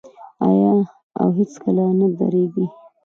آیا او هیڅکله نه دریږي؟